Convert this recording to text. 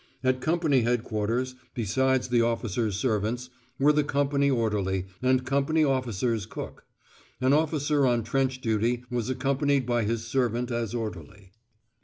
At Company Headquarters, besides the officers' servants, were the company orderly, and company officers' cook. An officer on trench duty was accompanied by his servant as orderly.